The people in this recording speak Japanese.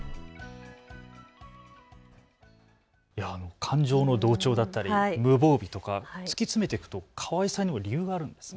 感情の同調だったり無防備とか突き詰めていくとかわいさにも理由があるんですね。